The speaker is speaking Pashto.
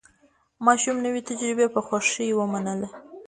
ماشوم نوې تجربه په خوښۍ ومنله